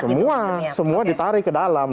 semua semua ditarik ke dalam